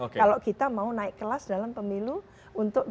kalau kita mau naik kelas dalam pemilu untuk dua ribu sembilan